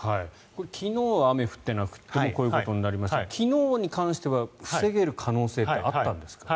昨日は雨が降っていなくてこういうことになりましたが昨日に関しては防げる可能性ってあったんですか？